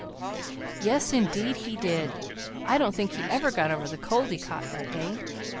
"Yes, indeed, he did! I don't think he ever got over the cold he caught that day.